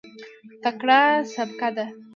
تکړه سبکه ده.